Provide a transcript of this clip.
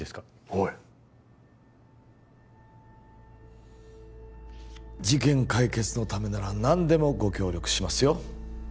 おい事件解決のためなら何でもご協力しますよ